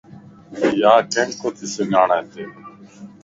ياڪينک ڪوتي سڃاڻ ھتي